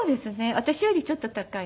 私よりちょっと高いです。